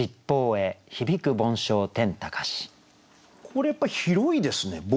これはやっぱり広いですね。